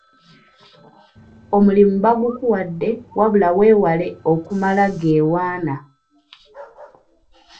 Omulimu bagukuwadde wabula weewale okumalageewaana.